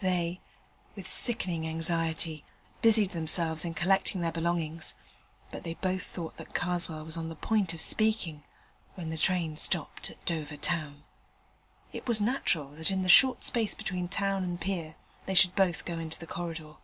They, with sickening anxiety, busied themselves in collecting their belongings; but they both thought that Karswell was on the point of speaking when the train stopped at Dover Town. It was natural that in the short space between town and pier they should both go into the corridor.